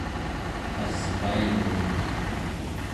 asvailun